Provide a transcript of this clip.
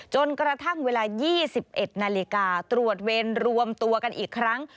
จนกระทั่งเวลา๒๑นาฬิกาตรวจเวรรวมตัวกันอีกครั้ง